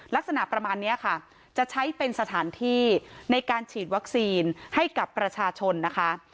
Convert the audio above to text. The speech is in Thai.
ลักษณะประมาณนี้ค่ะจะใช้เป็นสถานที่ในการฉีดวัคซีนให้กับประชาชนนะคะ